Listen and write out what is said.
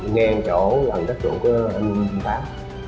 ngang chỗ gần các chỗ của anh văn tám